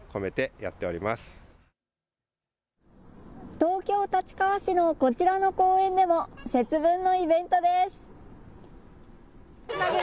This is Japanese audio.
東京立川市のこちらの公園でも節分のイベントです。